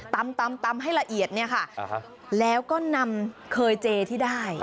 ตำให้ละเอียดเนี่ยค่ะแล้วก็นำเคยเจที่ได้